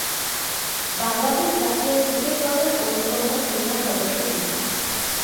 বাংলাদেশ জাতীয় ক্রিকেট দলের অন্যতম সিনিয়র সদস্য তিনি।